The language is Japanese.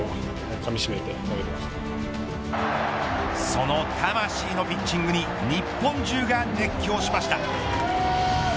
その魂のピッチングに日本中が熱狂しました。